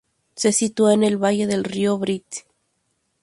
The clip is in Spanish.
Se sitúa en el valle del río Brit.